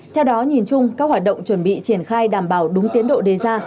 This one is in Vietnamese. theo đó nhìn chung các hoạt động chuẩn bị triển khai đảm bảo đúng tiến độ đề ra